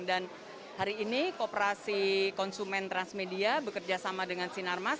dan hari ini kooperasi konsumen transmedia bekerjasama dengan sinar mas